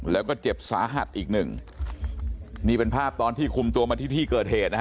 แล้วก็เจ็บสาหัสอีกหนึ่งนี่เป็นภาพตอนที่คุมตัวมาที่ที่เกิดเหตุนะฮะ